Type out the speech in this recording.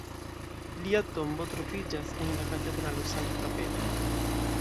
Lia tombo troviĝas en la katedralo Sankta Petro.